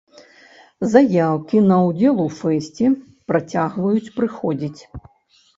Заяўкі на ўдзел у фэсце працягваюць прыходзіць.